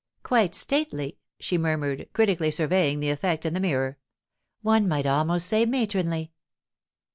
'Quite stately,' she murmured, critically surveying the effect in the mirror. 'One might almost say matronly.